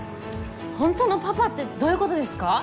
本当のパパってどういうことですか？